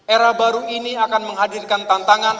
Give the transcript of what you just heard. era baru ini akan menghadirkan tantangan